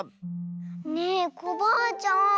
ねえコバアちゃん